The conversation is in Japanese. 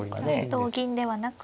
同銀ではなく。